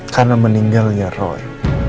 karena meninggalnya roy